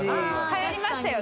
はやりましたよね？